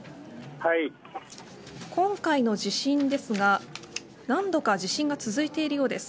今回の地震ですが何度か地震が続いているようです。